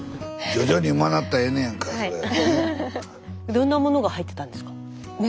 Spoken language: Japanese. どんなものが入ってたんですか？